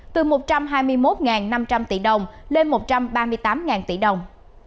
từ một trăm hai mươi một năm trăm linh tỷ đồng lên một trăm ba mươi tám tỷ đồng